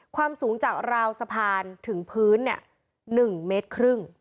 ความสูงจากราวสะพานถึงพื้น๑เมตรครึ่ง